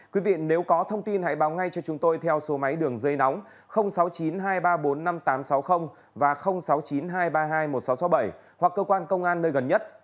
quý vị nếu có thông tin hãy báo ngay cho chúng tôi theo số máy đường dây nóng sáu mươi chín hai trăm ba mươi bốn năm nghìn tám trăm sáu mươi và sáu mươi chín hai trăm ba mươi hai một nghìn sáu trăm sáu mươi bảy hoặc cơ quan công an nơi gần nhất